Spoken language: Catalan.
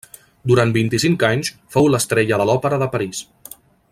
Durant vint-i-cinc anys fou l'estrella de l'Òpera de París.